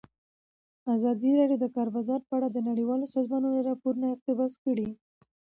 ازادي راډیو د د کار بازار په اړه د نړیوالو سازمانونو راپورونه اقتباس کړي.